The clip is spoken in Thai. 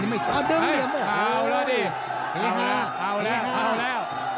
เดี๋ยวยุ่งแหละ